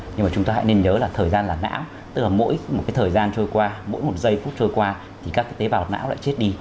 nhưng mà chúng ta hãy nên nhớ là thời gian là não tức là mỗi một cái thời gian trôi qua mỗi một giây phút trôi qua thì các tế bào não lại chết đi